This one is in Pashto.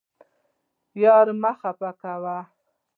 یار مه خفه کوئ